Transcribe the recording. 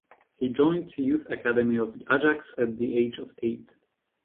He joined youth academy of Ajax at the age of eight.